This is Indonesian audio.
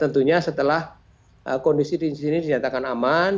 tentunya setelah kondisi di sini dinyatakan aman